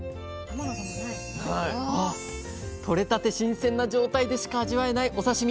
とれたて新鮮な状態でしか味わえないお刺身